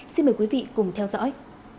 xin mời quý vị cùng theo dõi